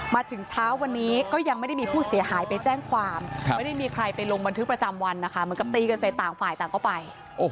มาถึงเช้าวันนี้ก็ยังไม่ได้มีผู้เสียหายไปแจ้งความไม่ได้มีใครไปลงบันทึกประจำวันนะคะเหมือนกับตีกันใส่ต่างฝ่ายต่างก็ไป